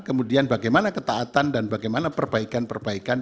kemudian bagaimana ketaatan dan bagaimana perbaikan perbaikan